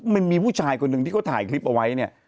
มันมีผู้ชายคนหนึ่งที่เขาถ่ายคลิปเอาไว้เนี่ย